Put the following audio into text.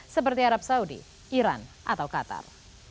seperti arab saudi iran atau qatar